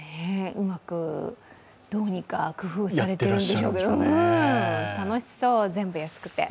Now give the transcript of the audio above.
うまくどうにか工夫されているんでしょうけども楽しそう、全部安くて。